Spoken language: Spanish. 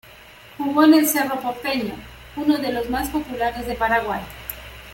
Jugó en el Cerro Porteño, uno de los más populares de Paraguay.